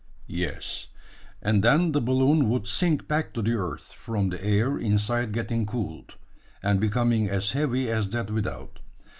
"Yes; and then the balloon would sink back to the earth from the air inside getting cooled, and becoming as heavy as that without.